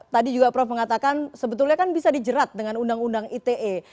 tadi juga prof mengatakan sebetulnya kan bisa dijerat dengan undang undang ite